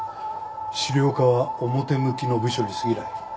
資料課は表向きの部署にすぎない。